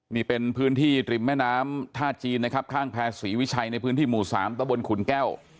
นี่เป็นพื้นที่ริมแม่น้ำท่าจีนนะครับข้างแพรศรีวิชัยในพื้นที่หมู่สามตะบนขุนแก้ว